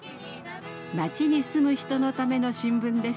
町に住む人のための新聞です。